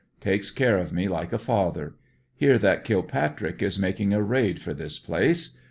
Takes care of me like a father. Hear that Kilpatrick is making a raid for this place.